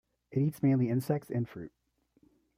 It eats mainly insects and fruit.